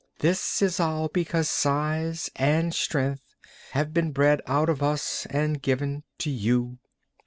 This is all because size and strength has been bred out of us and given to you."